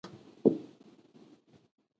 تولک ولسوالۍ غرنۍ ده؟